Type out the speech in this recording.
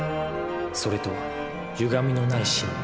「それ」とはゆがみのない真理。